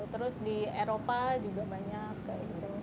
terus di eropa juga banyak kayak gitu